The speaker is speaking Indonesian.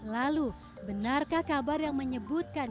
lalu benarkah kabar yang menyebutkan